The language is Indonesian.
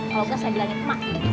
kalau enggak saya bilangin ke mak